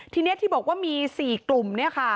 ทีนี้ที่บอกว่ามี๔กลุ่ม